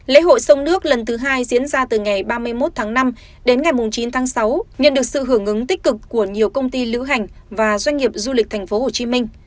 lễ hội sông nước lần thứ hai diễn ra từ ngày ba mươi một tháng năm đến ngày chín tháng sáu nhận được sự hưởng ứng tích cực của nhiều công ty lữ hành và doanh nghiệp du lịch tp hcm